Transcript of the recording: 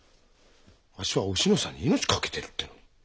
あっしはおしのさんに命懸けてるってのに。